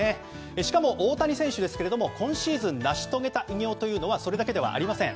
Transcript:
しかも、大谷選手が今シーズン成し遂げた偉業はそれだけではありません。